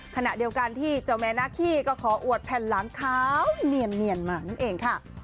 ขณะเดียวกันที่เจ้าแม่นาคีก็ขออวดแผ่นหลังขาวเนียนมานั่นเองค่ะ